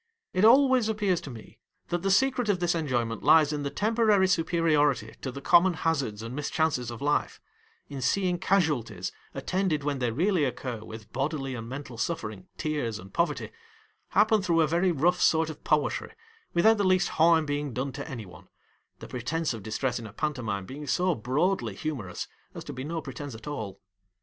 It always appears to me that the secret of this enjoyment lies in the temporary superiority to the common hazards and mischances of life ; in seeing casualties, attended when they really occur with bodily and mental suffering, tears, and poverty, happen through a very rough sort of poetry without the least harm being done to any one — the pretence of distress in a pantomime being so broadly humorous as to be no pretence at all.